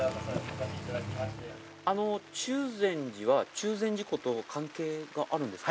あの中禅寺は中禅寺湖と関係があるんですか。